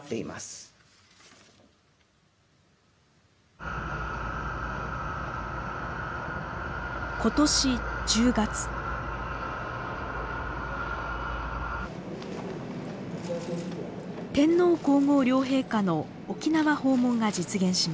天皇皇后両陛下の沖縄訪問が実現しました。